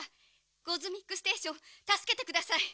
ゴズミックステーションたすけてください！」。